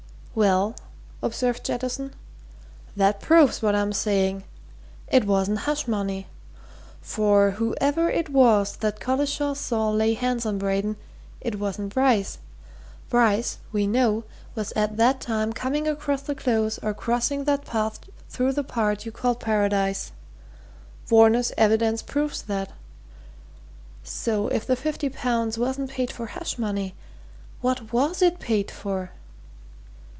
"'Well," observed Jettison, "that proves what I'm saying. It wasn't hush money. For whoever it was that Collishaw saw lay hands on Braden, it wasn't Bryce Bryce, we know, was at that time coming across the Close or crossing that path through the part you call Paradise: Varner's evidence proves that. So if the fifty pounds wasn't paid for hush money, what was it paid for?"